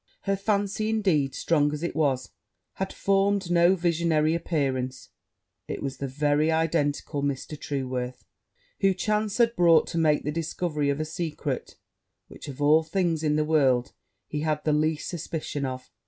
Her fancy, indeed, strong as it was, had formed no visionary appearance it was the very identical Mr. Trueworth whom chance had brought to make the discovery of a secret which, of all things in the world, he had the least suspicion of.